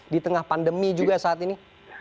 di tengah pandemi juga saat ini